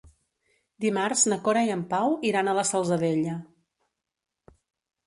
Dimarts na Cora i en Pau iran a la Salzadella.